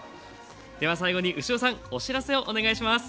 では最後に牛尾さんお知らせをお願いします。